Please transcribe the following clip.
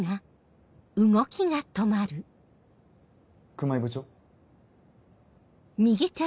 熊井部長？